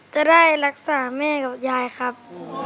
จะได้รักษาแม่กับยายครับ